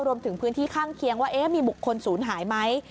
รวมถึงพื้นที่ข้างเคียงว่ามีบุคคลศูนย์หายไหม